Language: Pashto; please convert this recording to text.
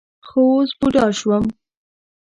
خو اوس بوډا شوم.